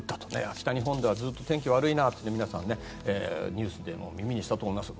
北日本でずっと天気が悪いって皆さんニュースでも耳にしたと思います。